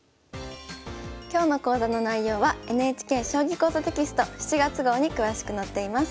今日の講座の内容はＮＨＫ「将棋講座」テキスト７月号に詳しく載っています。